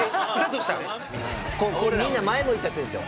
これみんな前向いちゃってんすよ。